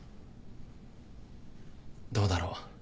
どうだろう